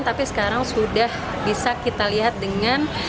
tapi sekarang sudah bisa kita lihat dengan